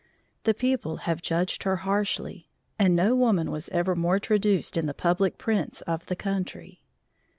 The people have judged her harshly, and no woman was ever more traduced in the public prints of the country.